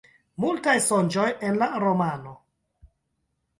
Multaj sonĝoj en la romano.